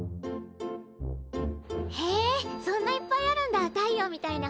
へえそんないっぱいあるんだ太陽みたいな星。